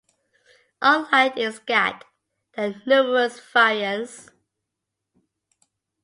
Unlike in Skat, there are numerous variants.